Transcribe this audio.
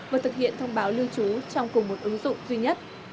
vừa thực hiện thông báo lưu trú trong cùng một ứng dụng duy nhất